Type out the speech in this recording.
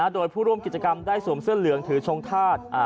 โดยผู้ร่วมกิจกรรมได้สวมเสื้อเหลืองถือชงธาตุ